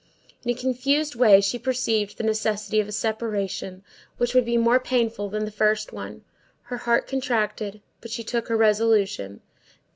In a confused way she perceived the necessity of a separation which would be more painful than the first one. Her heart contracted, but she took her resolution.